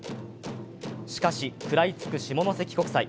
しかし、食らいつく下関国際。